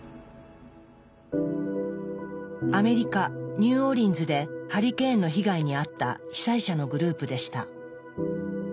アメリカ・ニューオーリンズでハリケーンの被害に遭った被災者のグループでした。